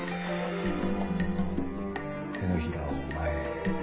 手のひらを前へ。